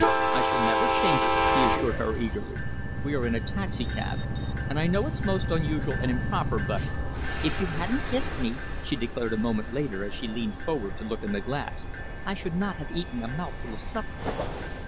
"I shall never change it," he assured her eagerly. "We are in a taxicab and I know it's most unusual and improper, but " "If you hadn't kissed me," she declared a moment later as she leaned forward to look in the glass, "I should not have eaten a mouthful of supper."